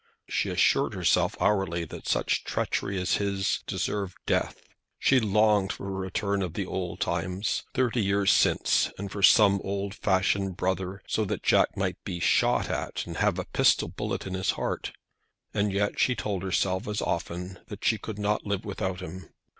She assured herself hourly that such treachery as his deserved death. She longed for a return of the old times, thirty years since, and for some old fashioned brother, so that Jack might be shot at and have a pistol bullet in his heart. And yet she told herself as often that she could not live without him.